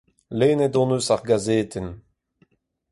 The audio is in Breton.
Lennet hon eus ar gazetenn.